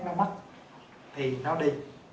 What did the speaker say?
nó mất thì nó đi